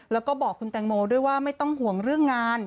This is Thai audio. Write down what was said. แล้วก็บอกคุณแตงโมด้วยว่าไม่ต้องห่วงเรื่องงาน